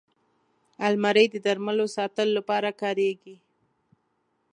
الماري د درملو ساتلو لپاره کارېږي